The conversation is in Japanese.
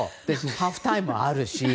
ハーフタイムあるし。